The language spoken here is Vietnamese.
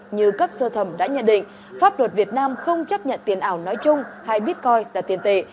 như cấp sơ thẩm đã nhận định pháp luật việt nam không chấp nhận tiền ảo nói chung hay bitcoin là tiền tệ